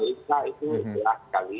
di indonesia itu jauh sekali